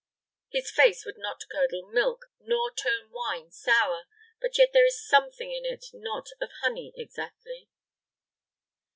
His face would not curdle milk, nor turn wine sour; but yet there is something in it not of honey exactly."